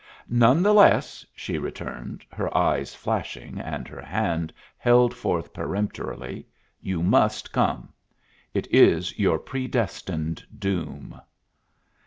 "None the less," she returned, her eye flashing and her hand held forth peremptorily, "you must come. It is your predestined doom."